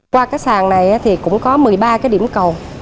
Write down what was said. qua các sàn này thì cũng có một mươi ba cái điểm cầu